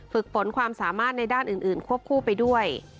ฝึกฝนความสามารถในด้านอื่นควบคู่ไปด้วย